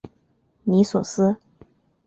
尼索斯。